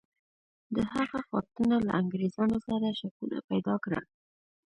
د هغه غوښتنه له انګرېزانو سره شکونه پیدا کړل.